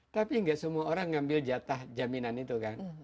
tapi tidak semua orang mengambil jatah jaminan itu kan